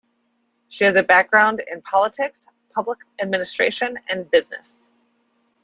She has a background in politics, public administration and business.